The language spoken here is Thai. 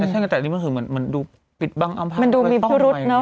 แต่ใช่ไงแต่อันนี้มันคือเหมือนมันดูปิดบ้างเอาไพร้มันดูมีเพื่อรถเนาะ